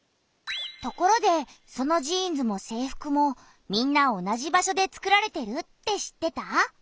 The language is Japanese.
ところでそのジーンズも制服もみんな同じ場所でつくられてるって知ってた？